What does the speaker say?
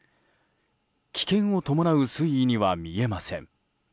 危険を伴う水位には見えません。